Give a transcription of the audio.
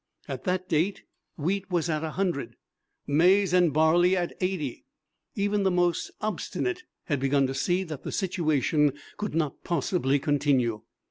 At that date wheat was at a hundred, maize and barley at eighty. Even the most obstinate had begun to see that the situation could not possibly continue.